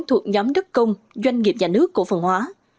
thuộc nhóm đất công doanh nghiệp nhà nước cổ phần hóa